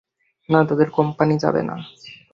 না, তোমাদের কোম্পানি যাবে না।